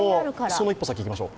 その一歩先、いきましょう。